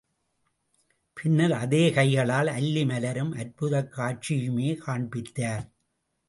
பின்னர் அதே கைகளால் அல்லி மலரும் அற்புதக் காட்சியையுமே காண்பித்தார்.